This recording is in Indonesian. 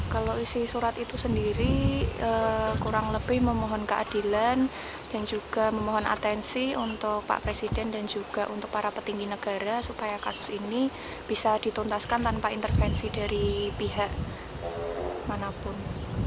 kalau isi surat itu sendiri kurang lebih memohon keadilan dan juga memohon atensi untuk pak presiden dan juga untuk para petinggi negara supaya kasus ini bisa dituntaskan tanpa intervensi dari pihak manapun